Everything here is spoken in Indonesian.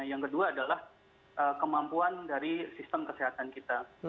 yang kedua adalah kemampuan dari sistem kesehatan kita